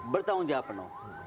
bertanggung jawab penuh